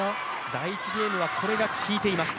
第１ゲームはこれが効いていました。